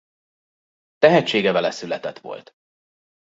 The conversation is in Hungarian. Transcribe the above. Tehetsége veleszületett volt.